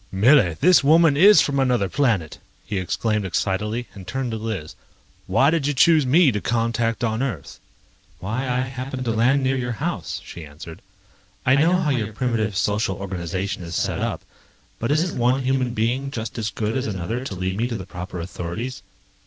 "Millie, this woman is from another planet!" he exclaimed excitedly, and turned to Liz. "Why did you choose me to contact on Earth?" "Why, I happened to land near your house," she answered. "I know how your primitive social organization is set up, but isn't one human being just as good as another to lead me to the proper authorities?"